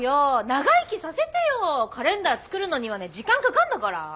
長生きさせてよカレンダー作るのにはね時間かかんだから。